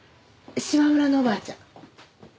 島村のおばあちゃん。